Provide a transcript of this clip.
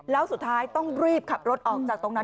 แล้วสุดท้ายต้องรีบขับรถออกจากตรงนั้น